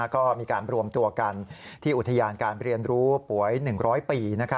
ก็มีการรวมตัวกันที่อุทยานการเรียนรู้ป่วย๑๐๐ปี